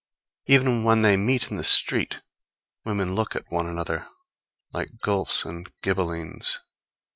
Even when they meet in the street, women look at one another like Guelphs and Ghibellines.